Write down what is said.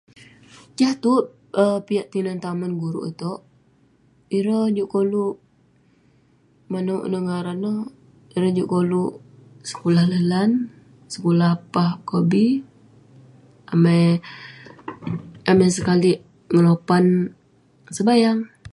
Jah tuerk um piak tinen tamen, guru itouk..ireh juk koluk..manouk, inouk ngaran neh..ireh juk koluk sekulah lan lan, sekulah pah kobi..amai, amai sekalik ngelopan sebayang..